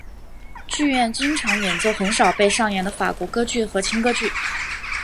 剧院经常演奏很少被上演的法国歌剧和轻歌剧。